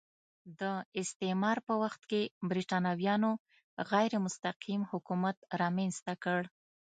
د استعمار په وخت کې برېټانویانو غیر مستقیم حکومت رامنځته کړ.